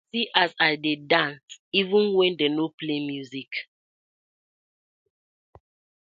See as I dey dance even wen dem no play music.